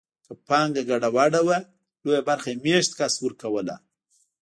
که پانګه ګډه وه لویه برخه یې مېشت کس ورکوله